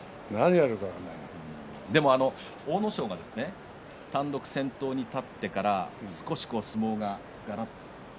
でも阿武咲が単独先頭に立ってから少し相撲が変わった。